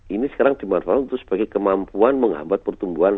ini sekarang dimanfaatkan untuk sebagai kemampuan menghambat pertumbuhan